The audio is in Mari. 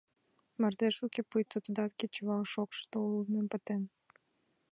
Мардеж уке, пуйто тудат кечывал шокшышто улнен пытен.